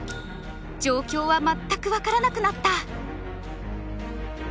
状況は全く分からなくなった。